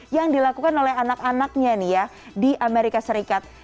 yang dilakukan oleh anak anaknya nih ya di amerika serikat